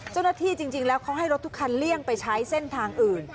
จริงแล้วเขาให้รถทุกคันเลี่ยงไปใช้เส้นทางอื่น